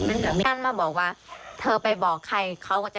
แม่คนที่ตายก็ไม่มีใครเชื่อหรอก